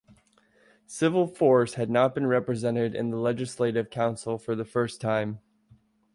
Civil Force had not been represented in the Legislative Council for the first time.